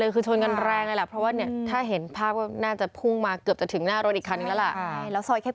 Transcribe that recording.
คือชนกันแรงเลยเพราะว่าถ้าเห็นภาพน่าจะพุ่งมาเกือบจะถึงหน้ารถอีกครั้งนึงแล้ว